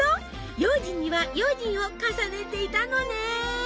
用心には用心を重ねていたのね！